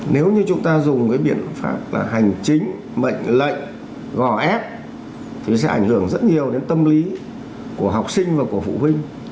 nếu như chúng ta dùng cái biện pháp là hành chính mệnh lệnh gò ép thì sẽ ảnh hưởng rất nhiều đến tâm lý của học sinh và của phụ huynh